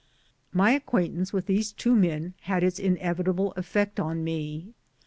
My acquaintance with these two men had its inevitable effect on me.